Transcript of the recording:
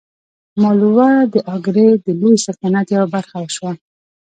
مالوه د اګرې د لوی سلطنت یوه برخه شوه.